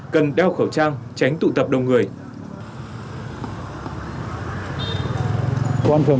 cần đeo khẩu trang tránh tụ tập đông người